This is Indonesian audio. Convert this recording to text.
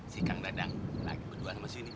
si kang dadang lagi berdua sama si yuni